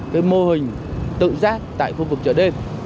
cái mô hình tự giác tại khu vực chợ đêm